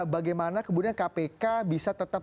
bagaimana kemudian kpk bisa tetap